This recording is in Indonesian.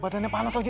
badannya panas lagi